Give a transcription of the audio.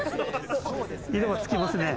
色はつきますね。